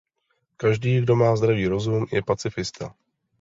Každý, kdo má zdravý rozum, je pacifista.